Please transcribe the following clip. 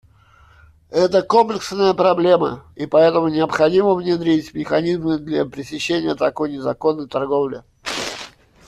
Это комплексная проблема, и поэтому необходимо внедрить механизмы для пресечения такой незаконной торговли.